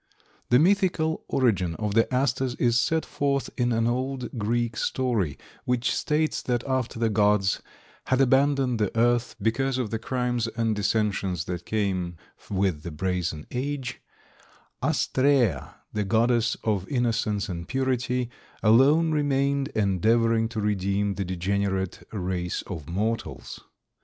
The mythical origin of the Asters is set forth in an old Greek story, which states that after the gods had abandoned the earth, because of the crimes and dissensions that came with the Brazen Age, Astraea, the goddess of innocence and purity, alone remained, endeavoring to redeem the degenerate race of mortals.